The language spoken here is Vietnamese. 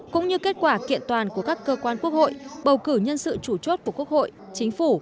cũng như kết quả kiện toàn của các cơ quan quốc hội bầu cử nhân sự chủ chốt của quốc hội chính phủ